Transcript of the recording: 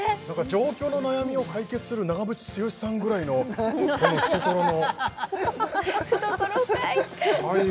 上京の悩みを解決する長渕剛さんぐらいのこの懐の懐深い！